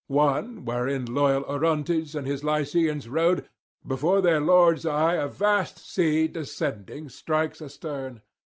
One, wherein loyal Orontes and his Lycians rode, before their lord's eyes a vast sea descending strikes astern.